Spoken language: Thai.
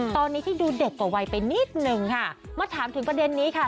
ตอนนี้ที่ดูเด็กกว่าวัยไปนิดนึงค่ะมาถามถึงประเด็นนี้ค่ะ